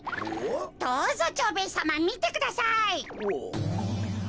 どうぞ蝶兵衛さまみてください。